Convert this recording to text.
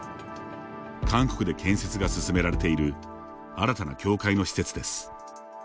韓国で建設が進められている新たな教会の施設です。